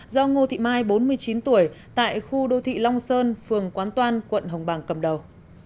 do ngô thị mai bốn mươi chín tuổi tại khu đô thị long sơn phường quán toan quận hồng bàng cầm đầu